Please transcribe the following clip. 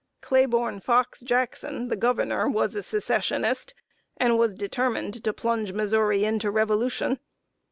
Claiborne Fox Jackson, the Governor, was a Secessionist, and was determined to plunge Missouri into revolution.